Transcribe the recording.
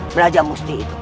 belajar musti itu